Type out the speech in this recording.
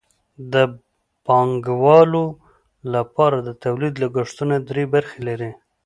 د پانګوالو لپاره د تولید لګښتونه درې برخې لري